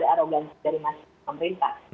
karena ada arogansi dari masyarakat pemerintah